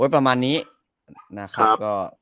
ประมาณนี้นะครับ